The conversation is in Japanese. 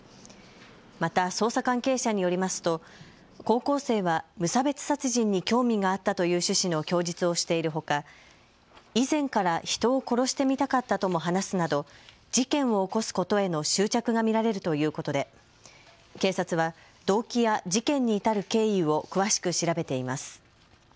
また捜査関係者によりますと高校生は無差別殺人に興味があったという趣旨の供述をしているほか以前から人を殺してみたかったとも話すなど事件を起こすことへの執着が見られるということで警察は動機や事件に至る経緯を詳しく調べています。